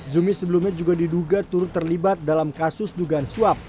zumi sebelumnya juga diduga turut terlibat dalam kasus dugaan suap